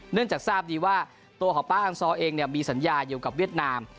เนื่องจากทราบดีว่าตัวของป๊าอังซอเองเนี่ยมีสัญญาเกี่ยวกับเวียดนาม